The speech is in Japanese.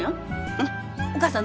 うんお母さん